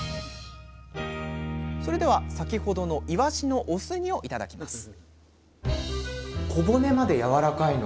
それでは先ほどのいわしのお酢煮をいただきます